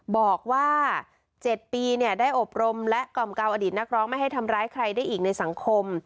บอกว่า๗ปีได้อบรมและกล่อมเกาอดีตนักร้องไม่ให้ทำร้ายใครได้อีกในสังคม